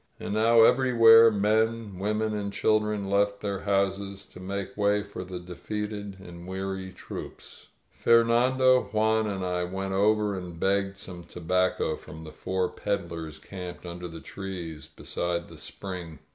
And now everywhere men, women and children left their houses to make way for the de feated and weary troops. 101 ••.:.• ...INSURGENT MEXICO Fj&Tpando, Juan and I went over and begged some toWpcb from the four peddlers camped under the trees btffjde the spring.